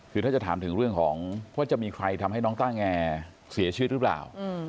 คือถ้าจะถามถึงเรื่องของว่าจะมีใครทำให้น้องต้าแงเสียชีวิตหรือเปล่า